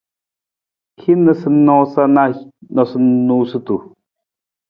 Hin noosanoosa na noosunonosutu.